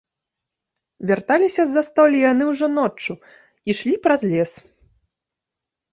Вярталіся з застолля яны ўжо ноччу, ішлі праз лес.